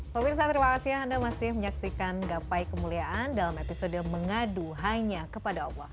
pemirsa terima kasih anda masih menyaksikan gapai kemuliaan dalam episode mengadu hanya kepada allah